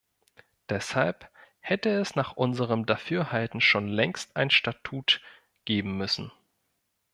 Deshalb hätte es nach unserem Dafürhalten schon längst ein Statut geben müssen.